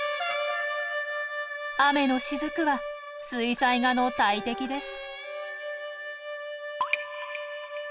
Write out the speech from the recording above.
雨のしずくは水彩画の大敵です。